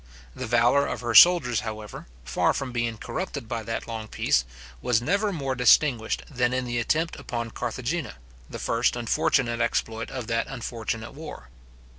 The valour of her soldiers, however, far from being corrupted by that long peace, was never more distinguished than in the attempt upon Carthagena, the first unfortunate exploit of that unfortunate war.